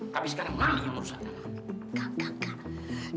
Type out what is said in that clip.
tapi sekarang mami yang merusakkan